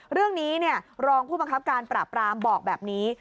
เรื่องนี้รองผู้บังคับการปราบรามบอกแบบนี้